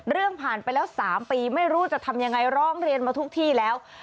เรื่องผ่านไปแล้ว๓ปีไม่รู้จะทำยังไงร้องเรียนมาทุกที่แล้ว